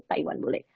pak iwan bule